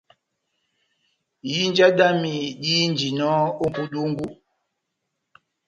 Ihinja dámi dihinjinɔ ó mʼpudungu,